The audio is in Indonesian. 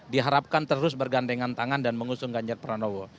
diharapkan terus bergandengan tangan dan mengusung ganjar pranowo